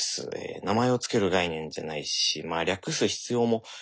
名前を付ける概念じゃないし略す必要もないですからね。